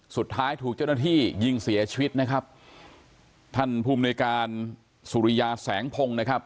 สุดท้ายถูกเจ้าหน้าที่ยิงเสียชีวิตนะครับท่านภูมิในการสุริยาแสงพงศ์นะครับ